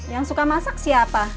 yang suka masak siapa